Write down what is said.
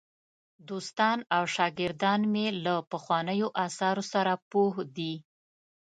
دوستان او شاګردان مې له پخوانیو آثارو سره پوه دي.